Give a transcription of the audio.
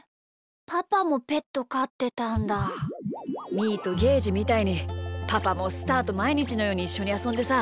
みーとゲージみたいにパパもスターとまいにちのようにいっしょにあそんでさ。